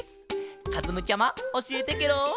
かずむちゃまおしえてケロ。